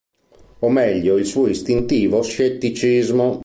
O meglio il suo istintivo scetticismo.